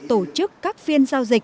tổ chức các phiên giao dịch